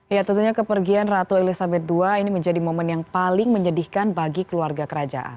ya tentunya kepergian ratu elizabeth ii ini menjadi momen yang paling menyedihkan bagi keluarga kerajaan